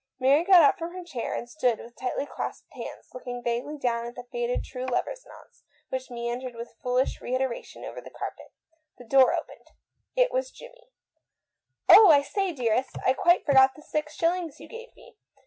Mary got up from her chair, and stood with tightly clasped hands, looking vaguely down at the faded true lovers' knots which meandered with foolish reiteration over the carpet. The door opened. It was Jimmie. " Oh, I say, dearest, I quite forgot the ten shillings you gave me